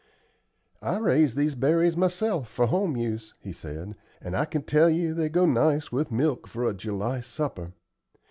"I raise these berries myself for home use," he said; "and I can tell you they go nice with milk for a July supper.